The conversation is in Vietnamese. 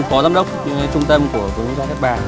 phó giám đốc trung tâm của quốc gia đất bản